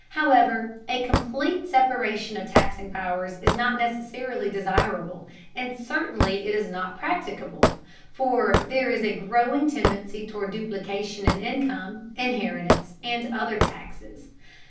However, a complete separation of taxing powers is not necessarily desirable, and certainly it is not practicable, for there is a growing tendency toward duplication in income, inheritance, and other taxes.